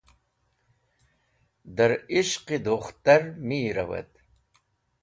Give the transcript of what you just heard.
Dar ishq-e dukhtar mi rawad